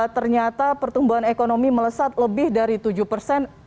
ternyata pertumbuhan ekonomi melesat lebih dari tujuh persen